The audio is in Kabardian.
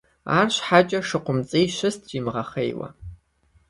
АрщхьэкӀэ ШыкъумцӀий щыст зимыгъэхъейуэ.